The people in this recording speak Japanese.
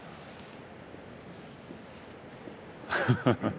ハハハ。